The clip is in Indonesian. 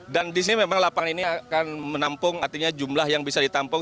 dan di sini memang lapangan ini akan menampung jumlah yang bisa ditampung